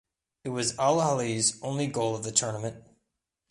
It was Al-Ahly's only goal of the tournament.